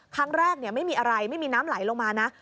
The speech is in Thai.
ครั้งแรกไม่มีอะไรไม่มีน้ำไหลลงมานะ